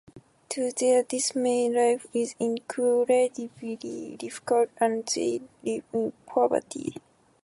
To their dismay, life is incredibly difficult and they live in poverty.